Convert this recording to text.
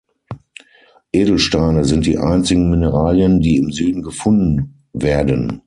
Edelsteine sind die einzigen Mineralien, die im Süden gefunden werden.